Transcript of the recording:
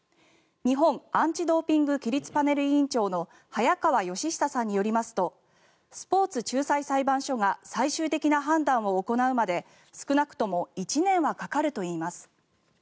日本アンチ・ドーピング規律パネル委員長の早川吉尚さんによりますとスポーツ仲裁裁判所が最終的な判断を行うまで少なくとも１年はかかるといいます。